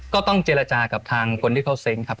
ก็ต้องเจรจากับทางคนที่เขาเซ้งครับ